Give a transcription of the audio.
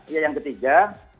iya yang ketiga